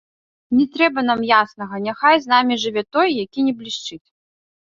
Не трэба нам яснага, няхай з намі жыве той, які не блішчыць.